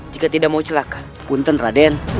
jika tidak mau celaka punten raden